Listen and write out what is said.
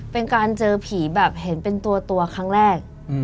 เป็นการเจอผีแบบเห็นเป็นตัวครั้งแรก